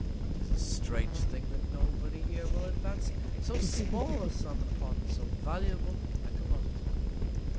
'Tis a strange Thing that Nobody here will advance so small a Sum upon so valuable a Commodity.